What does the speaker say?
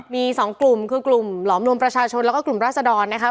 มี๒กลุ่มคือกลุ่มหลอมรวมประชาชนแล้วก็กลุ่มราศดรนะครับ